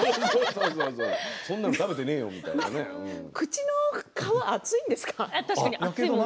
口の皮は厚いんですか？